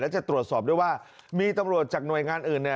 และจะตรวจสอบด้วยว่ามีตำรวจจากหน่วยงานอื่น